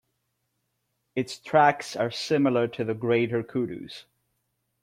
Its tracks are similar to the greater kudu's.